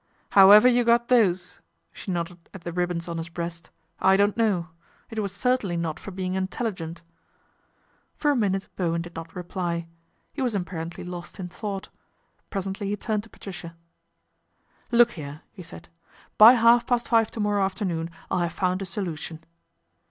" However you got those," she nodded at the ribbons on his breast, " I don't know. It was certainly not for being intelligent." For a minute Bowen did not reply. He was apparently lost in thought. Presently he turned to Patricia. " Look here," he said, " by half past five to morrow afternoon I'll have found a solution.